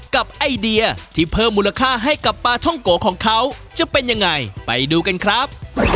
ไอเดียที่เพิ่มมูลค่าให้กับปลาท่องโกะของเขาจะเป็นยังไงไปดูกันครับ